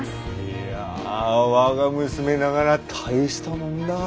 いや我が娘ながら大したもんだぁ。